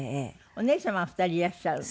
お姉様が２人いらっしゃるの？